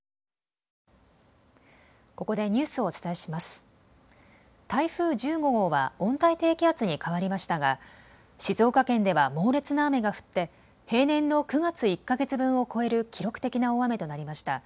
台風１５号は温帯低気圧に変わりましたが静岡県では猛烈な雨が降って平年の９月１か月分を超える記録的な大雨となりました。